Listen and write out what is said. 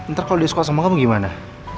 ntar kalo dia suka sama kamu gimana